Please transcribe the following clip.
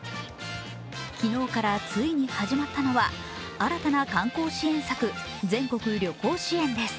昨日からついに始まったのは新たな観光支援策、全国旅行支援です。